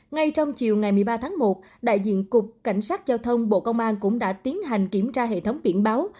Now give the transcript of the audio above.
ngay trong chiều ngày một mươi ba tháng một đại diện cục cảnh sát giao thông bộ công an cũng đã tiến hành kiểm tra hệ thống biển báo